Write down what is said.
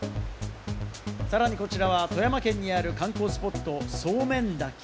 さらにこちらは富山県にある観光スポット・ソーメン滝。